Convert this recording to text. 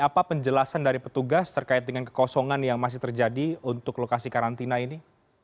apa penjelasan dari petugas terkait dengan kekosongan yang masih terjadi untuk lokasi karantina ini